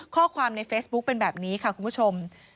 ข้อความในเฟซบุ๊คเป็นแบบนี้ค่ะคุณผู้ชม